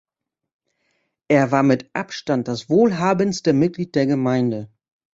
Er war mit Abstand das wohlhabendste Mitglied der Gemeinde.